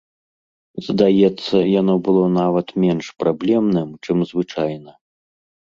Здаецца, яно было нават менш праблемным, чым звычайна.